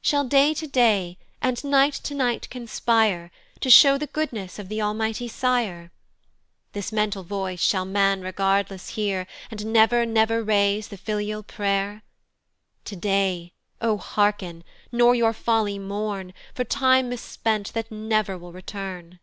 Shall day to day, and night to night conspire To show the goodness of the Almighty Sire? This mental voice shall man regardless hear, And never, never raise the filial pray'r? To day, O hearken, nor your folly mourn For time mispent, that never will return.